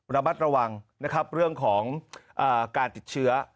ระมัดระวังนะครับเรื่องของการติดเชื้อ